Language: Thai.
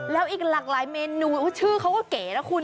แล้วอีกหลากหลายเมนูชื่อเขาก็เก๋นะคุณ